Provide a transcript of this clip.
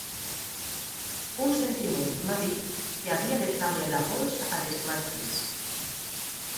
Un sentiment m’ha dit que havia de traure la pols a les imatges.